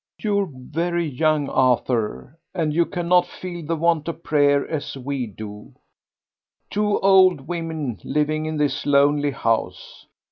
"You're very young, Arthur, and you cannot feel the want of prayer as we do two old women living in this lonely house.